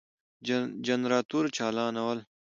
جنراتور چالانول ،